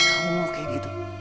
kamu mau kayak gitu